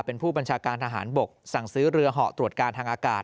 เป็นผู้บัญชาการทหารบกสั่งซื้อเรือเหาะตรวจการทางอากาศ